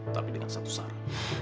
tapi dengan satu syarat